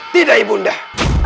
tidak ibu undah